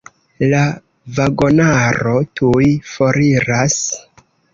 La vagonaro tuj foriras.